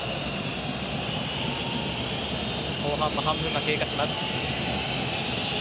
後半の半分が経過します。